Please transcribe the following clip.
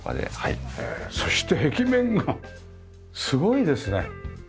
そして壁面がすごいですね。